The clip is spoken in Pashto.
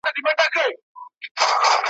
شېبه وروسته دی خزان وای ,